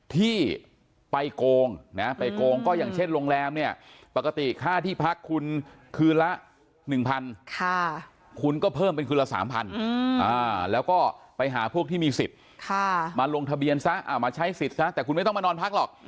ที่ไปโกงนะไปโกงก็อย่างเช่นโรงแรมเนี่ยปกติค่าที่พักคุณคืนละ๑๐๐คุณก็เพิ่มเป็นคืนละ๓๐๐แล้วก็ไปหาพวกที่มีสิทธิ์มาลงทะเบียนซะมาใช้สิทธิ์ซะแต่คุณไม่ต้องมานอนพักหรอก